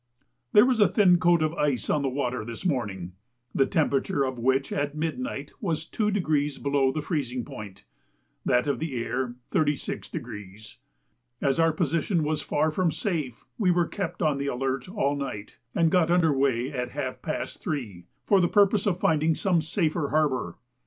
There was a thin coat of ice on the water this morning, the temperature of which at midnight was 2° below the freezing point, that of the air 36°. As our position was far from safe, we were kept on the alert all night, and got under weigh at half past three, for the purpose of finding some safer harbour.